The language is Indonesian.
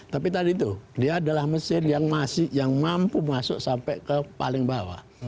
tapi tadi itu dia adalah mesin yang masih yang mampu masuk sampai ke paling bawah